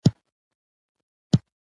د سیاحانو امنیت یې په ښه ډول خوندي کړی دی.